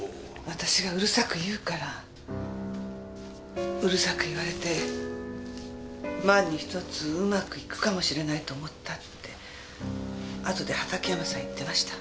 私がうるさく言うからうるさく言われて万に一つうまくいくかもしれないと思ったってあとで畑山さん言ってました。